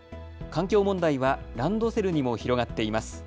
環境問題はランドセルにも広がっています。